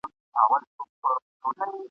د سم شاليد وړاندي کولو لپاره